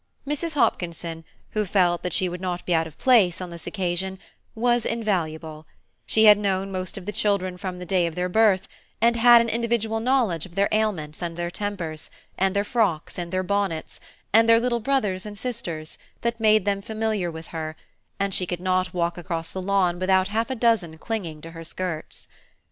Mrs. Hopkinson, who felt she would not be out of place on this occasion, was invaluable; she had known most of the children from the day of their birth, and had an individual knowledge of their ailments and their tempers, and their frocks and bonnets, and their little brothers and sisters, that made them familiar with her, and she could not walk across the lawn without half a dozen clinging to her skirts.